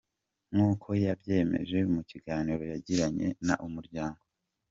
Nk’uko yabyemeje mu kiganiro yagiranye na Umuryango.